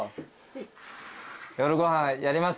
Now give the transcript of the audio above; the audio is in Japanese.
夜ご飯やります？